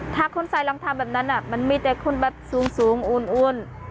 ถ้าคุณใส่รองเท้าแบบนั้นอ่ะมันมีแต่คุณแบบสูงสูงอุ่นอุ่น